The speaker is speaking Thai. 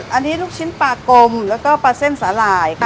อันนี้ลูกชิ้นปลากลมแล้วก็ปลาเส้นสาหร่ายค่ะ